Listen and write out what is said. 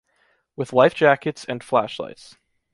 With life jackets and flashlights.